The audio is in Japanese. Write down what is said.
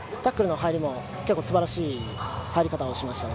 タックルの入りも素晴らしい入り方をしました。